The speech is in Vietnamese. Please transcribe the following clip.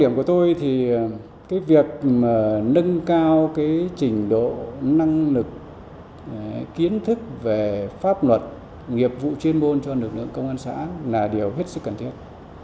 nhưng nâng cao trình độ năng lực kiến thức về pháp luật nghiệp vụ chuyên môn cho lực lượng công an xã là điều hết sức cần thiết